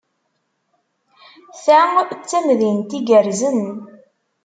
Ta d tamdint igerrzen.